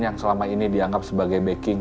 yang selama ini dianggap sebagai backing